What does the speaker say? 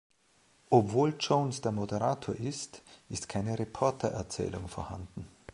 Obwohl Jones der Moderator ist, ist keine Reporter-Erzählung vorhanden.